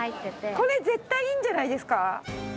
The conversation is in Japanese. これ絶対いいんじゃないですか？